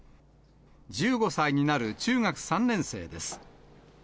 １５歳になる中学３年生です。